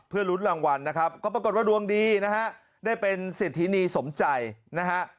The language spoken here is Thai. เพื่อลุ้นรางวัลนะครับก็ปรากฏว่าดวงดีนะฮะได้เป็นเศรษฐินีสมใจนะฮะ